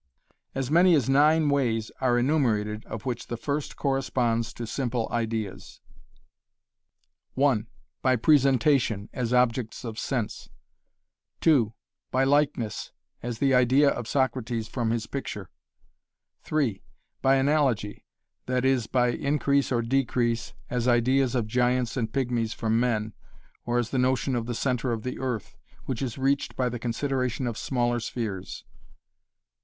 As many as nine ways are enumerated of which the first corresponds to simple ideas (1) by presentation, as objects of sense (2) by likeness, as the idea of Socrates from his picture (3) by analogy, that is, by increase or decrease, as ideas of giants and pigmies from men, or as the notion of the centre of the earth, which is reached by the consideration of smaller spheres.